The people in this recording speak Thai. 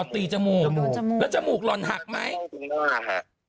อ๋อตีจมูกแล้วจมูกหล่อนหักไหมจมูกหล่อนตรงหน้าค่ะ